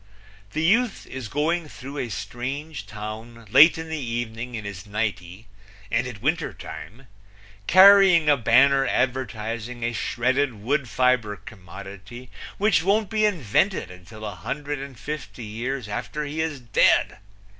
The youth is going through a strange town late in the evening in his nightie, and it winter time, carrying a banner advertising a shredded wood fiber commodity which won't be invented until a hundred and fifty years after he is dead!